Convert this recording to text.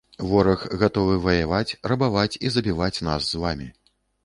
Вораг, гатовы ваяваць, рабаваць і забіваць нас з вамі.